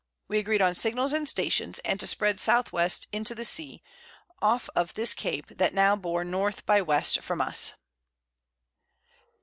We agreed on Signals and Stations; and to spread S.W. into the See, off of this Cape that now bore N. by W. from us.